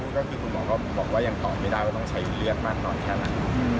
ก็คือคุณหมอก็บอกว่ายังตอบไม่ได้ว่าต้องใช้เลือดมากน้อยแค่ไหน